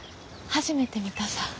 初めて見たさ。